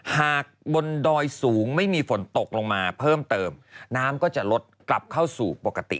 บนดอยสูงไม่มีฝนตกลงมาเพิ่มเติมน้ำก็จะลดกลับเข้าสู่ปกติ